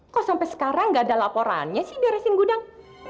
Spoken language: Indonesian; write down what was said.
kok sampe sekarang gak ada laporannya sih di resin gudang